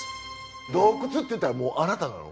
洞窟っていったらもうあなたなの？